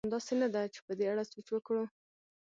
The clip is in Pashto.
همداسې نه ده؟ چې په دې اړه سوچ وکړو.